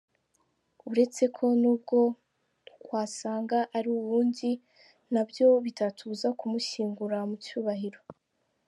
Uretse ko n’ubwo twasanga ari uw’undi na byo bitatubuza kumushyingura mu cyubahiro.